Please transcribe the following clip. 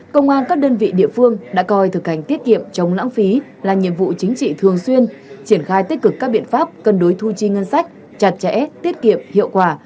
công an các đơn vị địa phương đã coi thực hành tiết kiệm chống lãng phí là nhiệm vụ chính trị thường xuyên triển khai tích cực các biện pháp cân đối thu chi ngân sách chặt chẽ tiết kiệm hiệu quả